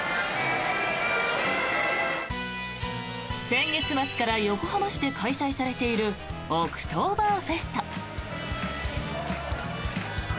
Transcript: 先月末から横浜市で開催されているオクトーバーフェスト。